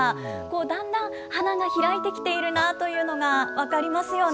だんだん花が開いてきているなというのが分かりますよね。